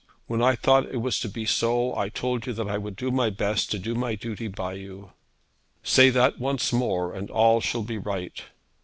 When I thought it was to be so, I told you that I would do my best to do my duty by you.' 'Say that once more, and all shall be right.'